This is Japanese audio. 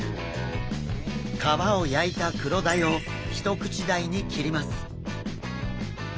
皮を焼いたクロダイをひと口大に切ります。